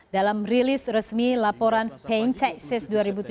dalam rilis resmi laporan paying texas dua ribu tujuh belas